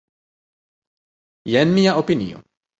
Jen mia opinio.